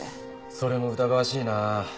それも疑わしいな。